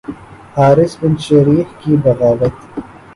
Haris bin Shurayh کی بغاوت